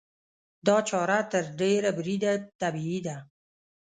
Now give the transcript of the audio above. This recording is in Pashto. دا چاره تر ډېره بریده طبیعي ده.